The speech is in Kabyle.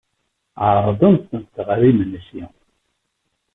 Ɛerḍen-tent ɣer imensi.